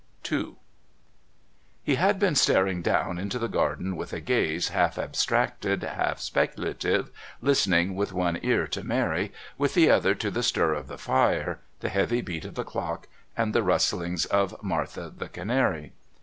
II He had been staring down into the garden with a gaze half abstracted, half speculative, listening with one ear to Mary, with the other to the stir of the fire, the heavy beat of the clock and the rustlings of Martha the canary.